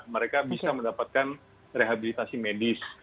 mereka bisa mendapatkan rehabilitasi medis